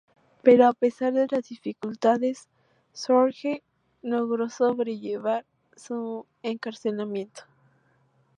Pero a pesar de las dificultades, Sorge logró sobrellevar su encarcelamiento.